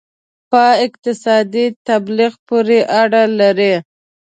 په اقتصادي تبلیغ پورې اړه لري.